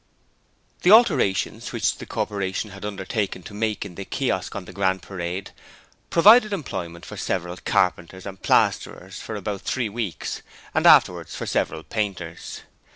The alterations which the Corporation had undertaken to make in the Kiosk on the Grand Parade provided employment for several carpenters and plasterers for about three weeks, and afterwards for several painters.